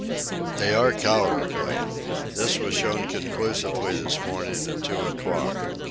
They are cowardly. This was shown conclusively this morning at two o'clock.